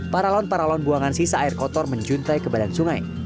paralon paralon buangan sisa air kotor menjuntai ke badan sungai